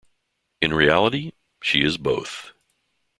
In reality: she is both.